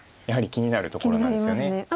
やはり気になるところなんですよね。